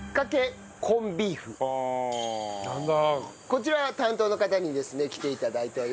こちら担当の方にですね来て頂いております。